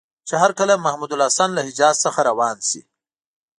چې هرکله محمودالحسن له حجاز څخه روان شي.